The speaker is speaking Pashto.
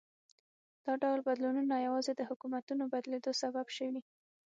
دا ډول بدلونونه یوازې د حکومتونو بدلېدو سبب شوي.